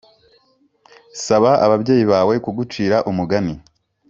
saba ababyeyi bawe kugucira umugani